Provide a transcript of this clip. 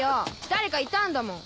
誰かいたんだもん！